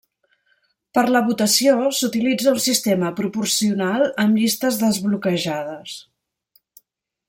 Per la votació s’utilitza un sistema proporcional amb llistes desbloquejades.